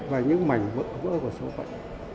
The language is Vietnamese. một mảnh vỡ vỡ của số phận